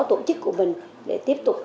tổ chức của mình để tiếp tục